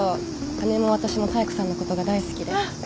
姉も私も妙子さんのことが大好きで。